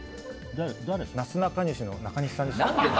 なすなかにしの中西さんでした。